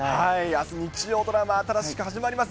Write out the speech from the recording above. あす日曜ドラマ、新しく始まります。